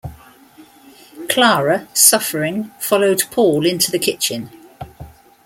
Clara, suffering, followed Paul into the kitchen.